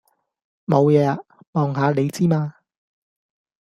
無野呀！望下你之嘛。